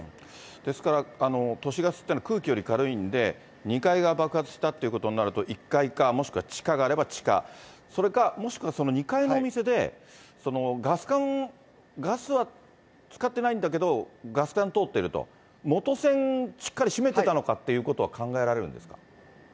ですから、都市ガスっていうのは空気より軽いんで、２階が爆発したということになると、１階か、もしくは地下があれば地下、それかもしくは２階のお店で、ガス管を、ガスは使っていないんだけれども、ガス管通ってると、元栓、しっかり閉めてたのかっていうことは考えられるんですか。